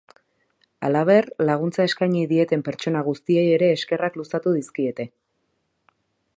Halaber, laguntza eskaini dieten pertsona guztiei ere eskerrak luzatu dizkiete.